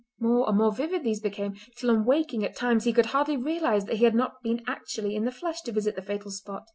More and more vivid these became, till on waking at times he could hardly realise that he had not been actually in the flesh to visit the fatal spot.